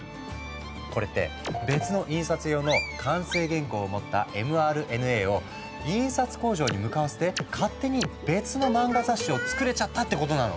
これって別の印刷用の完成原稿を持ったｍＲＮＡを印刷工場に向かわせて勝手に別の漫画雑誌をつくれちゃったってことなの。